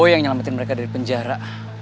oh yang nyelamatin mereka dari penjara